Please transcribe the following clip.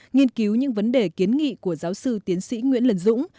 nghiên cứu những vấn đề kiến nghị của giáo sư tiến sĩ nguyễn lân dũng